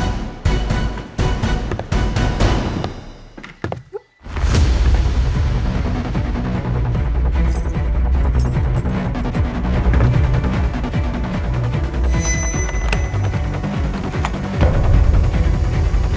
มีชื่อไอ้ต้องเป็นคนเซ็นรับ